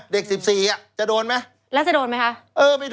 เด็ก๑๔จะโดนไหม